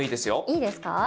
いいですか。